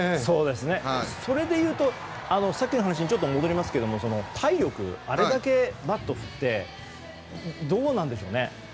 それでいうとさっきの話に戻りますけど体力、あれだけバット振ってどうなんでしょうね。